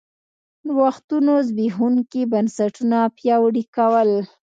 نوښتونو زبېښونکي بنسټونه پیاوړي کول